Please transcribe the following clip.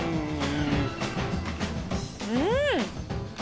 うん！